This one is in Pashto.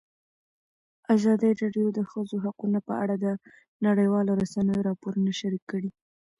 ازادي راډیو د د ښځو حقونه په اړه د نړیوالو رسنیو راپورونه شریک کړي.